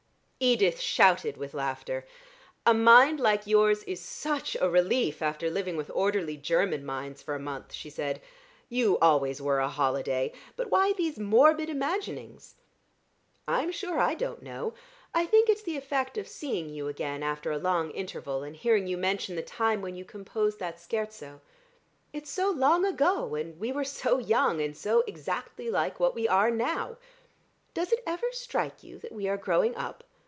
Edith shouted with laughter. "A mind like yours is such a relief after living with orderly German minds for a month," she said. "You always were a holiday. But why these morbid imaginings!" "I'm sure I don't know. I think it's the effect of seeing you again after a long interval, and hearing you mention the time when you composed that scherzo. It's so long ago, and we were so young, and so exactly like what we are now. Does it ever strike you that we are growing up?